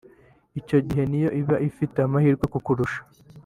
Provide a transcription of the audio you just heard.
icyo gihe ni yo iba ifita amahirwe kukurusha